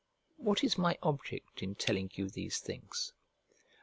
" What is my object in telling you these things?